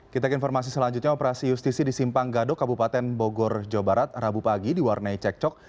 kita ke informasi selanjutnya operasi justisi di simpang gadok kabupaten bogor jawa barat rabu pagi diwarnai cekcok